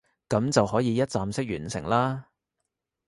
噉就可以一站式完成啦